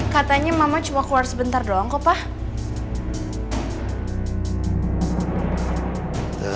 katanya mama cuma keluar sebentar doang kok pak